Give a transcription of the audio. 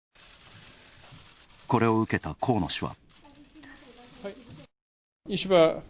これを受けた河野氏は。